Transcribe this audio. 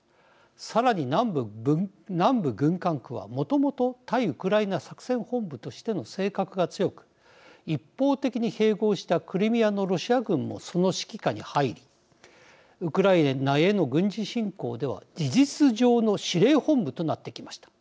さらに、南部軍管区はもともと対ウクライナ作戦本部としての性格が強く一方的に併合したクリミアのロシア軍もその指揮下に入りウクライナへの軍事侵攻では事実上の司令本部となってきました。